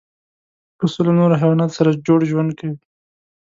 پسه له نورو حیواناتو سره جوړ ژوند کوي.